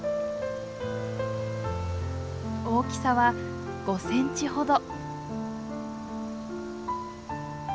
大きさは５センチほど。